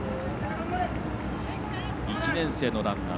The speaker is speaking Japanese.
１年生のランナー。